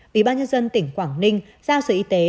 ủy ban nhân dân tỉnh quảng ninh giao sở y tế